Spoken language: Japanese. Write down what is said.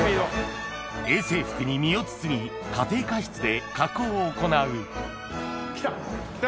衛生服に身を包み家庭科室で加工を行う来た。来た！